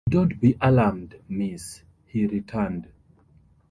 "Don't be alarmed, miss," he returned.